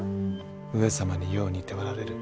上様によう似ておられる。